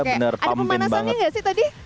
ada pemanasannya nggak sih tadi